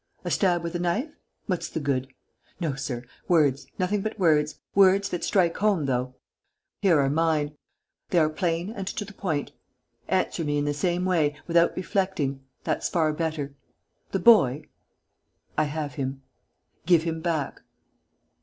A stab with a knife? What's the good? No, sir! Words, nothing but words. Words that strike home, though. Here are mine: they are plain and to the point. Answer me in the same way, without reflecting: that's far better. The boy?" "I have him." "Give him back."